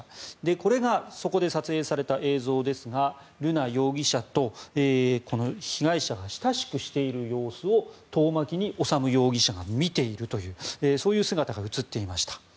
これがそこで撮影された映像ですが瑠奈容疑者とこの被害者が親しくしている様子を遠巻きに修容疑者が見ているというそういう姿が映っていました。